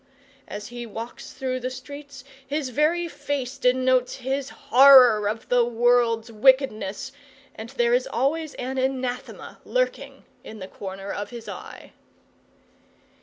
As he walks through the streets, his very face denotes his horror of the world's wickedness; and there is always an anathema lurking in the corner of his eye.